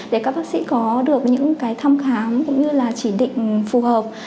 để các bác sĩ có được những cái thăm khám cũng như là chỉ định phù hợp